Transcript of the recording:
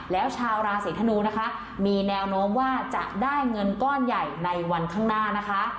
แล้วชาวราศีธนูนะคะมีแนวโน้มว่าจะได้เงินก้อนใหญ่ในวันข้างหน้านะคะ